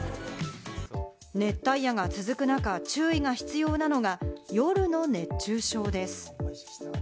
熱帯夜が続くなか注意が必要なのが夜の熱中症です。